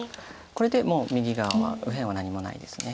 これで右側は右辺は何もないです。